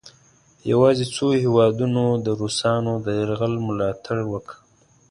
یواځې څو هیوادونو د روسانو د یرغل ملا تړ وکړ.